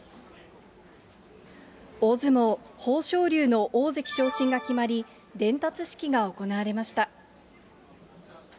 大相撲、豊昇龍の大関昇進が決まり、伝達式が行われました。